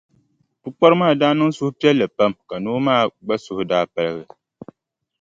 Pukpara maa daa niŋ suhupiɛlli pam ka noo maa gba suhu daa paligi pam.